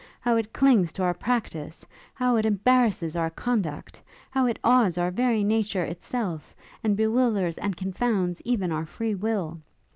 how it clings to our practice! how it embarrasses our conduct! how it awes our very nature itself, and bewilders and confounds even our free will!